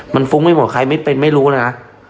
มันฟุ้งไม่หมดใครไม่เป็นไม่รู้เลยนะ